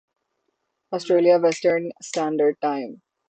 Australia western standard time